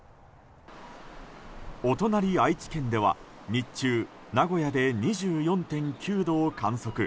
お隣、愛知県では日中名古屋で２４．９度を観測。